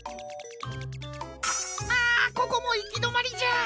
あここもいきどまりじゃ。